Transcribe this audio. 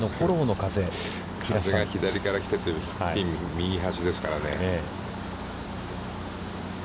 風が左から来ててピンが右端ですからね。